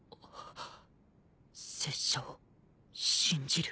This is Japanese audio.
拙者を信じる。